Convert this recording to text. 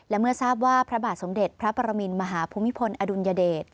และเมื่อทราบว่าพระบาทสมเด็จพระปรมินมหาภูมิพลอดุลยเดช